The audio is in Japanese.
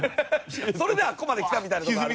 それであそこまできたみたいなところある。